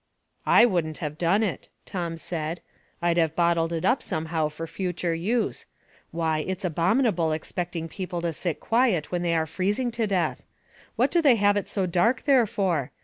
'* I wouldn't have done it," Tom said. " I'd have bottled it up somehow for future use. Why, it's abominable expecting people to sit quiet when they are freezing to death. What do they have it so dark there for